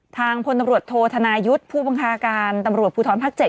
ทางพลตำรวจโทษทนายุทธ์ผู้บังคาการตำรวจผู้ท้อนพักเจ็ด